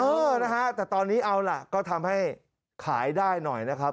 เออนะฮะแต่ตอนนี้เอาล่ะก็ทำให้ขายได้หน่อยนะครับ